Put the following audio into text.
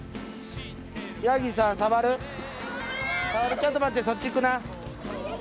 ちょっと待ってそっち行くな。